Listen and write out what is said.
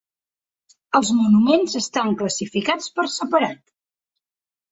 Els monuments estan classificats per separat.